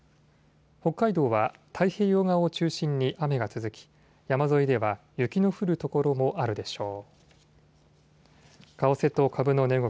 北海道は太平洋側を中心に雨が続き、山沿いでは雪の降る所もあるでしょう。